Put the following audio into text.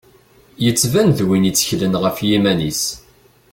Yettban d win i tteklen ɣef yiman-is.